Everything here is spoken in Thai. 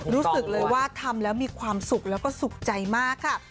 รู้สึกเลยว่าทำแล้วมีความสุขแล้วก็สุขใจมากค่ะ